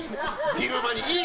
昼間にいい！